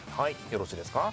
よろしいですか？